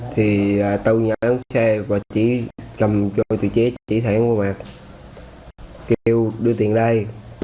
thì tàu nhắn xe và chỉ cầm cho tùy chế chỉ thẳng hoặc kêu đưa tiền đây